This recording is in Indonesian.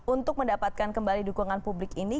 untuk mendapatkan kembali dukungan publik ini